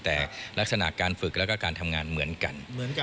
แต่ลักษณะการฝึกแล้วก็การทำงานเหมือนกัน